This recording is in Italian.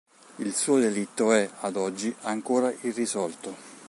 Il suo delitto è, ad oggi, ancora irrisolto.